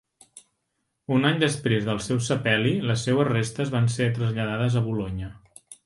Un any després del seu sepeli, les seues restes van ser traslladades a Bolonya.